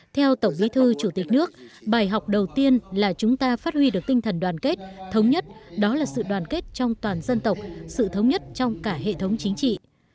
theo tổng bí thư chủ tịch nước bài học đầu tiên là chúng ta phát huy được tinh thần đoàn kết thống nhất đó là sự đoàn kết trong toàn dân tộc sự thống nhất trong cả hệ thống chính trị